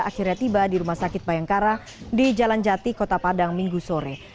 akhirnya tiba di rumah sakit bayangkara di jalan jati kota padang minggu sore